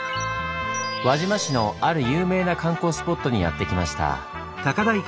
輪島市のある有名な観光スポットにやって来ました。